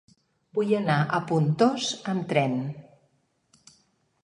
Vull anar a Pontós amb tren.